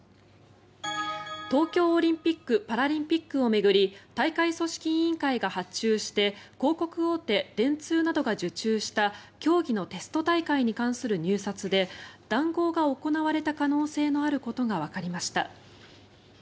東京オリンピック・パラリンピックを巡り大会組織委員会が発注して広告大手、電通などが受注した競技のテスト大会に関する入札で談合が行われた可能性のあることがわかりました。